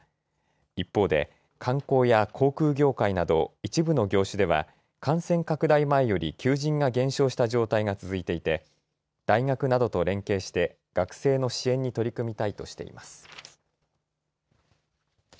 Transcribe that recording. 一方で観光や航空業界など一部の業種では感染拡大前より求人が減少した状態が続いていて大学などと連携して学生の支援に取り組みたいとしています。